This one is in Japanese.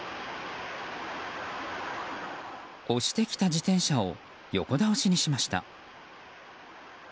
押してきた自転車を横倒しにしました。